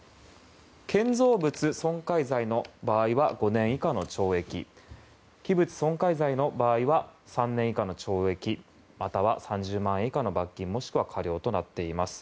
建造物損壊罪の場合は５年以下の懲役器物損壊罪の場合は３年以下の懲役または３０万円以下の罰金もしくは科料となっています。